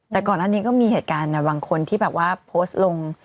แต่ก่อนอันนี้ก็มีเหตุการณ์บางคนที่แบบว่าโพสต์ลง